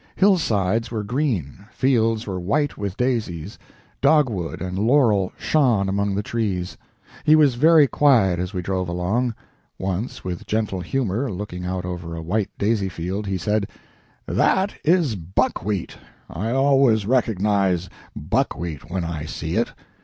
Hillsides were green, fields were white with daisies, dogwood and laurel shone among the trees. He was very quiet as we drove along. Once, with gentle humor, looking out over a white daisy field, he said: "That is buckwheat. I always recognize buckwheat when I see it.